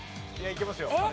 いけますよ